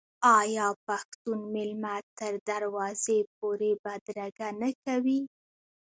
آیا پښتون میلمه تر دروازې پورې بدرګه نه کوي؟